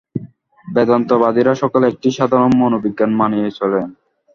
বেদান্তবাদীরা সকলেই একটি সাধারণ মনোবিজ্ঞান মানিয়া চলেন।